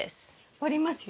折りますよ。